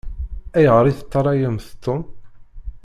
Ayɣeṛ i teṭṭalayemt Tom?